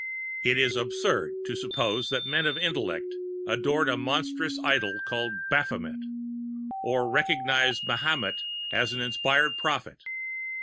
It is absurd to suppose that men of intellect adored a monstrous idol called Baphomet, or recognized Mahomet as an inspired prophet.